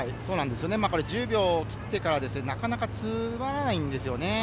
１０秒を切ってからなかなかつまらないんですよね。